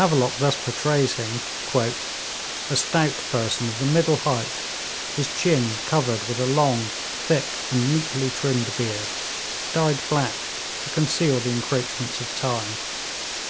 Havelock thus portrays him: 'A stout person of the middle height, his chin covered with a long thick and neatly trimmed beard, dyed black to conceal the encroachments of time.